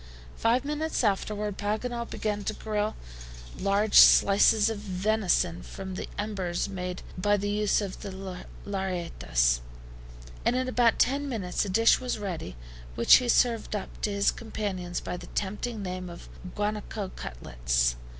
Five minutes afterward Paganel began to grill large slices of venison on the embers made by the use of the LLARETTAS, and in about ten minutes a dish was ready, which he served up to his companions by the tempting name of guanaco cutlets.